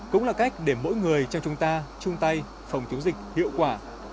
cũng là cách để mỗi người trong chúng ta chung tay phòng chống dịch hiệu quả